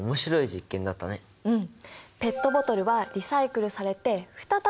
うん。